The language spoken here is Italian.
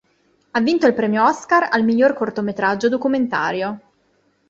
Ha vinto il Premio Oscar al miglior cortometraggio documentario.